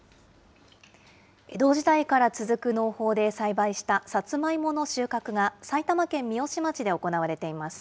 江戸時代から続く農法で栽培したさつまいもの収穫が埼玉県三芳町で行われています。